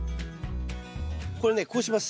これねこうします。